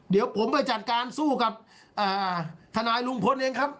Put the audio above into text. เดี๋ยวผมไปจัดการสู้กับทนายลุงพลเองครับ